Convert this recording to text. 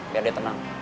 biar dia tenang